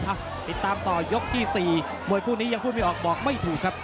ติดตามต่อยกที่๔มวยคู่นี้ยังพูดไม่ออกบอกไม่ถูกครับ